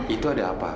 itu ada apa